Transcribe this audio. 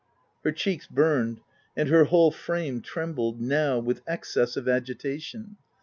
Her cheeks burned and her whole frame trem bled, now, with excess of agitation.